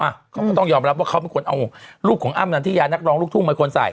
เขาก็ต้องยอมรับว่าเขาเป็นคนเอารูปของอ้ำนันทิยานักร้องลูกทุ่งมาควรใส่